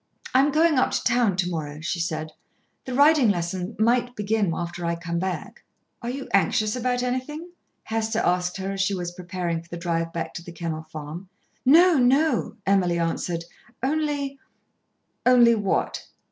"I am going up to town to morrow," she said. "The riding lessons might begin after I come back." "Are you anxious about anything?" Hester asked her as she was preparing for the drive back to The Kennel Farm. "No, no," Emily answered. "Only " "Only what?"